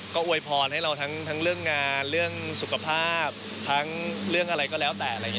ก็อวยพรให้เราทั้งเรื่องงานเรื่องสุขภาพทั้งเรื่องอะไรก็แล้วแต่อะไรอย่างนี้